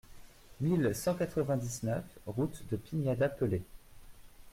mille cent quatre-vingt-dix-neuf route de Pignada-Pelay